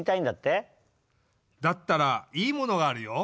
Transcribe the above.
だったらいいものがあるよ。